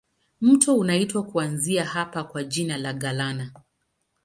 Mto unaitwa kuanzia hapa kwa jina la Galana.